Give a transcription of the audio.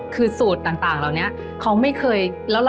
คือสูตรต่างเราเนี้ย